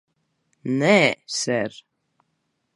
Nē, ser.